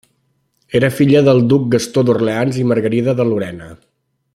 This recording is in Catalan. Era filla del duc Gastó d'Orleans i Margarida de Lorena.